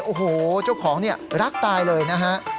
โอ้โหเจ้าของเนี่ยรักตายเลยนะฮะ